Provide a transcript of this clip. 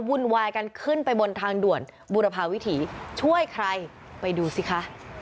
วุ่นวายกันขึ้นไปบนทางด่วนบุรพาวิถีช่วยใครไปดูสิคะ